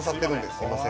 すいません。